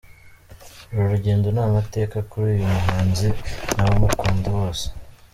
Uru rugendo ni amateka kuri uyu muhanzi n’abamukunda bose.